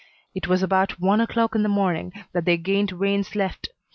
It was about one o'clock in the morning that they gained Wayne's left.